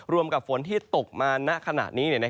รวมกับฝนที่ตกมาณะขนาดนี้